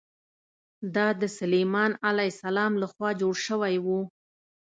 دا د سلیمان علیه السلام له خوا جوړ شوی و.